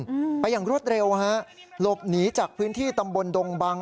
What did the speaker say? อืมไปอย่างรวดเร็วฮะหลบหนีจากพื้นที่ตำบลดงบัง